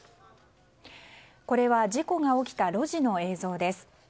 これは事故が起きた路地の映像です。